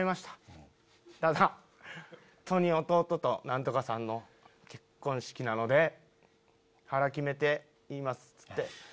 ただ本当に弟と何とかさんの結婚式なので腹決めて言います。